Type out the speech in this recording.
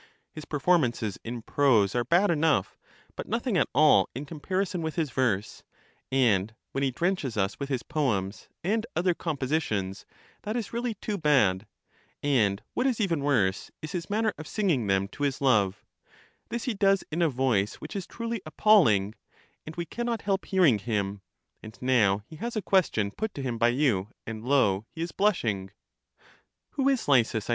His performances in prose are bad enough, but nothing at all in comparison with his verse; and when he drenches us with his poems and other com positions, that is really too bad; and what is even worse, is his manner of singing them to his love ; this he does in a voice which is truly appalling, and we can not help hearing him : and now he has a question put to him by you, and lo I he is blushing. LYSIS 51 Who is Lysis?